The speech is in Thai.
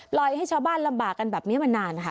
ปล่อยให้ชาวบ้านลำบากันแบบนี้มานานนะคะ